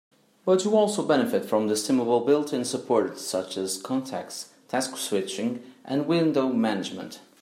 But you also benefit from the estimable built-in support such as contexts, task switching, and window management.